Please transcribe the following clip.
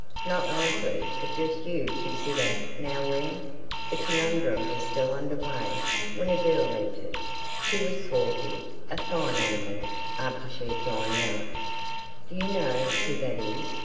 "Not likely. But just you consider now, wheer ..." The conundrum was still under weigh, when a girl entered. She was swarthy, a fine animal. After she had gone out: "Do you know who that is?"